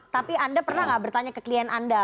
tapi anda pernah nggak bertanya ke klien anda